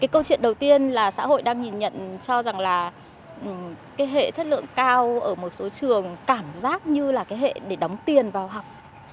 câu chuyện đầu tiên là xã hội đang nhìn nhận cho rằng là hệ chất lượng cao ở một số trường cảm giác như là hệ để đóng tiền vào học